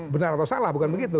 benar atau salah bukan begitu